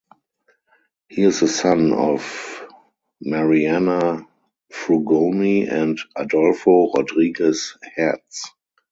He is the son of Mariana Frugoni and Adolfo Rodriguez Hertz.